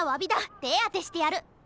てあてしてやる！